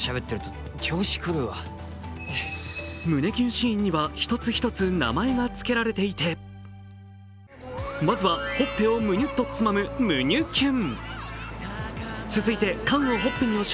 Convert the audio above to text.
胸キューンシーンには１つ１つ名前がつけられていてまずは、ほっぺをむにゅっとつまむむにゅキュン。